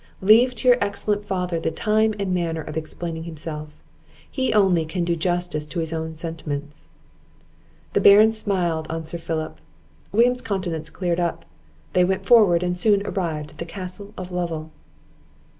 Leave to your excellent father the time and manner of explaining himself; he only can do justice to his own sentiments." The Baron smiled on Sir Philip; William's countenance cleared up; they went forward, and soon arrived at the Castle of Lovel.